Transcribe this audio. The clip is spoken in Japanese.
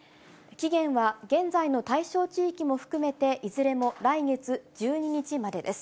期限は現在の対象地域も含めて、いずれも来月１２日までです。